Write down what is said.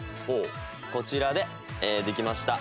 こちらでできました。